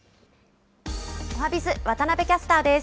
おはＢｉｚ、渡部キャスターです。